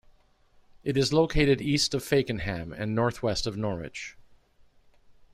It is located east of Fakenham and north-west of Norwich.